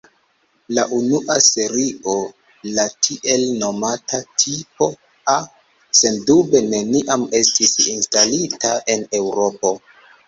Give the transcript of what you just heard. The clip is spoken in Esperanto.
La unua serio, la tiel nomata "Tipo" "A", sendube neniam estis instalita en Eŭropo.